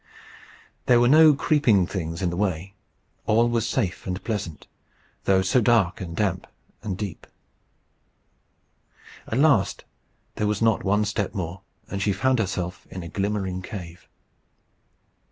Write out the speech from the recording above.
There were no creeping things in the way. All was safe and pleasant though so dark and damp and deep. At last there was not one step more, and she found herself in a glimmering cave.